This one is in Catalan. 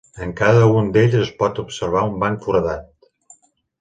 En cada un d'ells es pot observar un banc foradat.